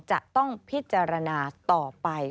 จะต้องพิจารณาต่อไป